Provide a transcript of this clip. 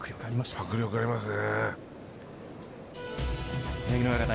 迫力ありますね。